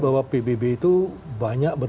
bahwa pbb itu banyak